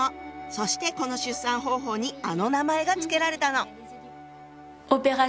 そしてこの出産方法にあの名前が付けられたの。